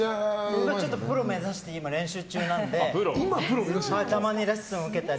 僕はプロ目指して今、練習中なんでたまにレッスンを受けたり。